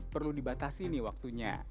perlu dibatasi nih waktunya